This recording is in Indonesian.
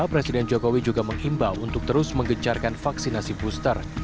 presiden jokowi juga mengimbau untuk terus mengejarkan vaksinasi booster